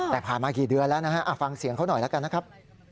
แต่ผ่านมากี่เดือนแล้วนะฮะฟังเสียงเขาหน่อยแล้วกันนะครับ